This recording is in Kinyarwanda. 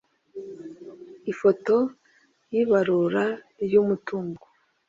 ifoto y’ibarura ry’umutungo